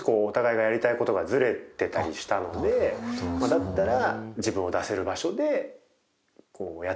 だったら。